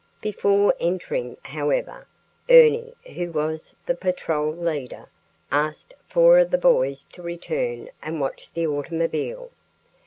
Before entering, however, Ernie, who was the patrol leader, asked four of the boys to return and watch the automobile.